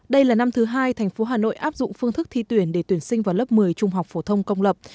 đây là năm thứ hai thành phố hà nội áp dụng phương thức thi tuyển để tuyển sinh vào lớp một mươi trung học phổ thông công lập